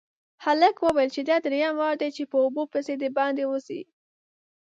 هلک وويل چې دا دريم وار دی چې په اوبو پسې د باندې وځي.